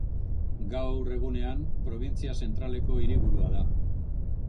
Gaur egunean, probintzia zentraleko hiriburua da.